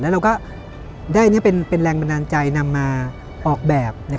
แล้วเราก็ได้เป็นแรงบันดาลใจนำมาออกแบบ